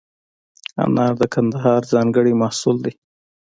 انار د کندهار ځانګړی محصول دی.